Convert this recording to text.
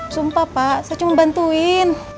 sumpah pak saya cuma bantuin